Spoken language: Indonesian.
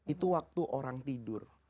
itu waktu orang tidur